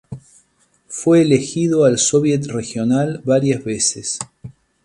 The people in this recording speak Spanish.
Fue elegido al Soviet Regional varias veces.